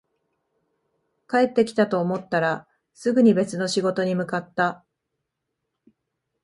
帰ってきたと思ったら、すぐに別の仕事に向かった